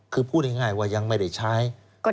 คือพูดง่ายว่ายังไม่ได้ใช้